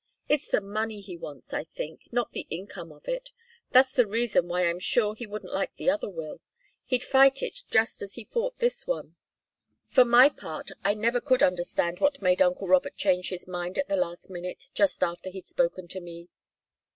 It's the money he wants, I think, not the income of it. That's the reason why I'm sure he wouldn't like the other will. He'd fight it just as he fought this one. For my part I never could understand what made uncle Robert change his mind at the last minute, just after he'd spoken to me."